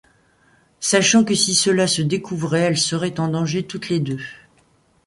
Sachant que si cela se découvrait, elles seraient en danger toutes les deux.